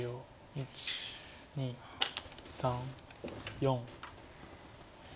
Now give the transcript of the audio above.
１２３４。